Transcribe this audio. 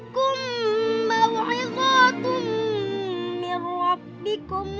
kalian harus turut berdakami